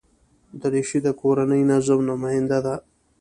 دریشي د کورني نظم نماینده ده.